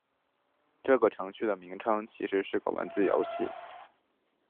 这个程序的名称其实是个文字游戏。